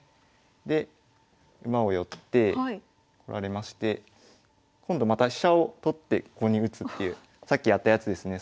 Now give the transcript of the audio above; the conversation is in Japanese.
で馬を寄ってこられまして今度また飛車を取ってここに打つっていうさっきやったやつですね。